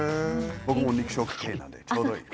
僕も肉食系なんでちょうどいい。